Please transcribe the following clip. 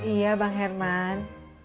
iya bang herman